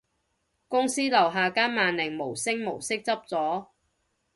公司樓下間萬寧無聲無息執咗